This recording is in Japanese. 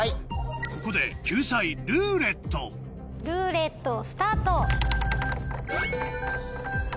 ここで救済「ルーレット」ルーレットスタート！